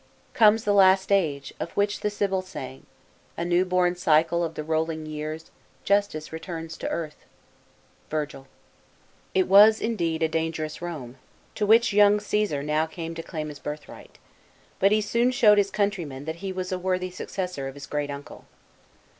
" Comes the Last Age, of which the Sibyl sang A new born cycle of the rolling years : Justice returns to earth." VIRGIL. IT was, indeed, a dangerous Rome, to which young Csesar, now came to claim his birthright ; but he soon showed his countrymen, that he was a worthy successor, of his great uncle.